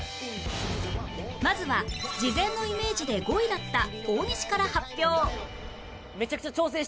まずは事前のイメージで５位だった大西から発表